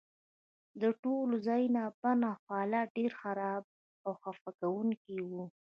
د ټول ځای بڼه او حالت ډیر خراب او خفه کونکی و